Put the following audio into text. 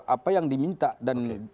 apa yang diminta dan